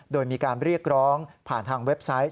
โดยมีการเรียกร้องผ่านทางเว็บไซต์